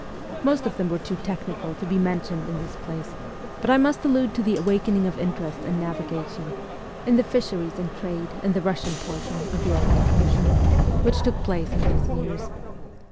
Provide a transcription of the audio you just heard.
Most of them were too technical to be mentioned in this place, but I must allude to the awakening of interest in navigation, in the fisheries and trade in the Eussian portion of the Arctic Ocean, which took place in these years.